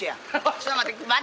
ちょっと待て。